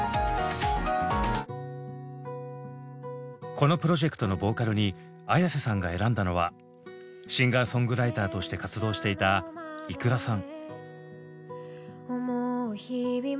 このプロジェクトのボーカルにＡｙａｓｅさんが選んだのはシンガーソングライターとして活動していたｉｋｕｒａさん。